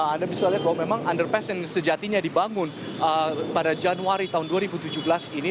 anda bisa lihat bahwa memang underpass yang sejatinya dibangun pada januari tahun dua ribu tujuh belas ini